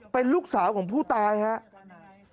เป็นลูกสาวของผู้ตายครับ